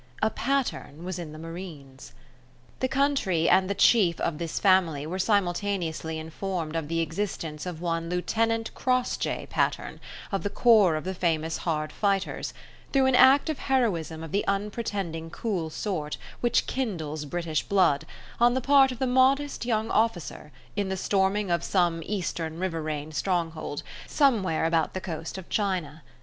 A Patterne was in the Marines. The country and the chief of this family were simultaneously informed of the existence of one Lieutenant Crossjay Patterne, of the corps of the famous hard fighters, through an act of heroism of the unpretending cool sort which kindles British blood, on the part of the modest young officer, in the storming of some eastern riverain stronghold, somewhere about the coast of China.